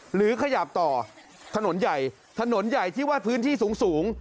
หรือขยับต่อถนนใหญ่ถนนใหญ่ที่ว่าพื้นที่สูง